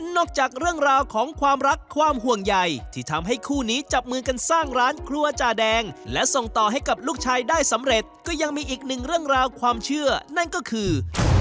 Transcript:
จากเรื่องราวของความรักความห่วงใหญ่ที่ทำให้คู่นี้จับมือกันสร้างร้านครัวจาแดงและส่งต่อให้กับลูกชายได้สำเร็จก็ยังมีอีกหนึ่งเรื่องราวความเชื่อนั่นก็คือ